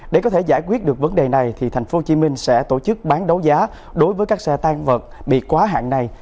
để có thể giải quyết được vấn đề này thành phố hồ chí minh sẽ tổ chức bán đấu giá đối với các xe tan vật bị quá hạn này